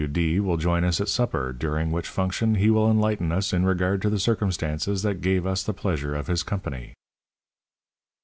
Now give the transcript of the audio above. W. D. will join us at supper, during which function he will enlighten us in regard to the circumstances that gave us the pleasure of his company."